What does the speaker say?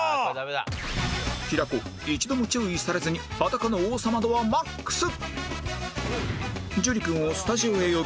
平子一度も注意されずに裸の王様度は ＭＡＸ